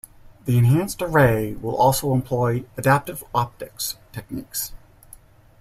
The enhanced array will also employ adaptive optics techniques.